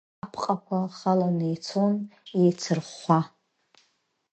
Апҟақәа халаны ицон, еицырхәхәа.